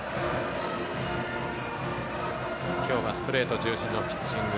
今日はストレート中心のピッチング。